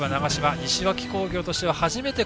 西脇工業としては初めて。